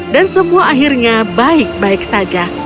dan semua akhirnya baik baik saja